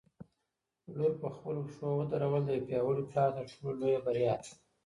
لور په خپلو پښو ودرول د یو پیاوړي پلار تر ټولو لویه بریا ده.